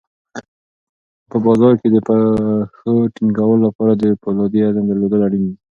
په بازار کې د پښو ټینګولو لپاره د فولادي عزم درلودل اړین دي.